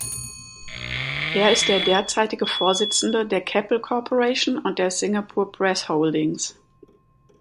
Er ist der derzeitige Vorsitzende der Keppel Corporation und der "Singapore Press Holdings".